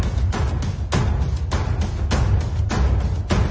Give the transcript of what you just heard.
แต่ก็ไม่รู้ว่าจะมีใครอยู่ข้างหลัง